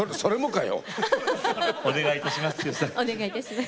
お願いいたします。